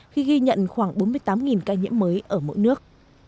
khi ghi nhận khoảng bốn mươi tám ca nhiễm mới ở mỗi nước